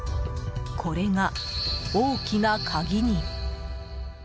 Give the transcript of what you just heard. これが、大きな鍵に。